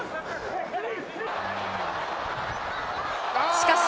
しかし。